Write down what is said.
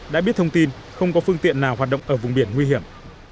đã biết thông tin không có phương tiện nào hoạt động ở vùng biển nguy hiểm